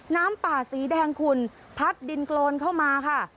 น้ำป่าสีแดงขุ่นพัดดินโครนเข้ามาค่ะ